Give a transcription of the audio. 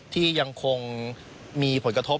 ที่ยังคงมีผลกระทบ